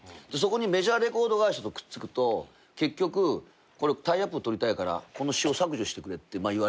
そこにメジャーレコード会社とくっつくと結局タイアップを取りたいからこの詞を削除してくれって。